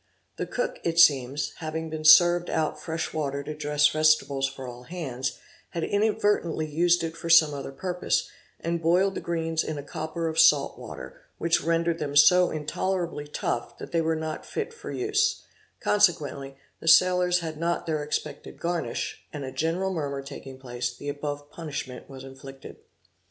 The cook, it seems, having been served out fresh water to dress vegetables for all hands, had inadvertently used it for some other purpose, and boiled the greens in a copper of salt water, which rendered them so intolerably tough, that they were not fit for use; consequently the sailors had not their expected garnish, and a general murmur taking place, the above punishment was inflicted.